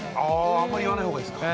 あんまり言わないほうがいいんですか。